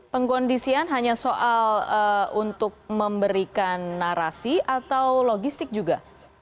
pengkondisian hanya soal untuk memberikan narasi atau logistik juga